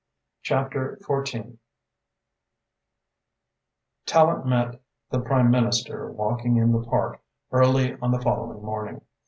CHAPTER XIV Tallente met the Prime Minister walking in the Park early on the following morning.